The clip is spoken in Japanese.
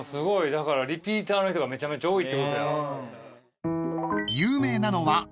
だからリピーターの人がめちゃめちゃ多いってことや。